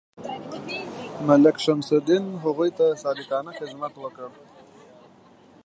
ملک شمس الدین هغوی ته صادقانه خدمت وکړ.